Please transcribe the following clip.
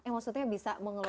eh maksudnya bisa mengelola